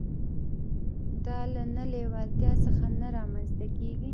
دا له نه لېوالتيا څخه نه رامنځته کېږي.